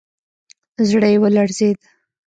زړه يې ولړزېد.